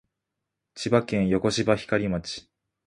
千葉県横芝光町